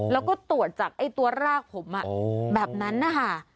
แล้วก็ตรวจจากตัวรากผมแบบนั้นนะคะ